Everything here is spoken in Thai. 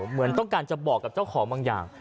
เหมือนต้องการจะบอกกับเจ้าของบางอย่าง